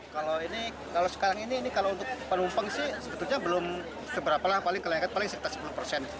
kalau sekarang ini kalau untuk penumpang sih sebetulnya belum seberapa lah paling kelengket paling sekitar sepuluh persen